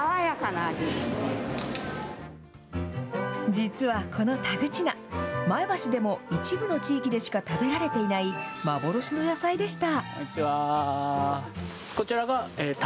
実はこの田口菜、前橋でも一部の地域でしか食べられていない、幻の野菜でした。